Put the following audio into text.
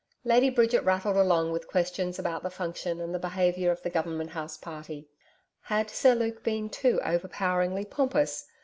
Lady Bridget rattled along with questions about the Function and the behaviour of the Government House party. Had Sir Luke been too over poweringly pompous?